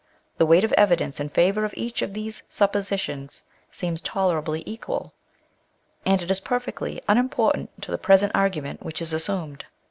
The weight of evidence in favour of each of these suppositions seems toleraJbly e(][ual; and it is perfectly unimportant to the present argument which is assumed.